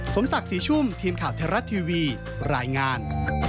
สมสักสีชุ่มทีมข่าวแทรรัตทีวีรายงาน